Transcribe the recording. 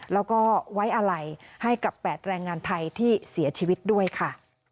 แล้วก็ไว้อะไรให้กับ๘แรงงานไทยที่เสียชีวิตด้วยค่ะ